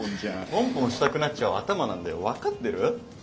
ポンポンしたくなっちゃう頭なんだよ分かってる？